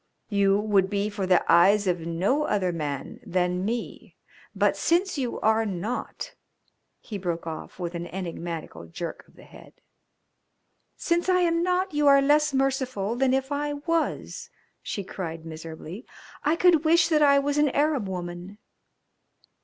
"You would be for the eyes of no other man than me. But since you are not " He broke off with an enigmatical jerk of the head. "Since I am not you are less merciful than if I was," she cried miserably. "I could wish that I was an Arab woman."